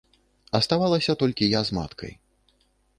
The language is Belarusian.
Аставалася толькі я з маткай.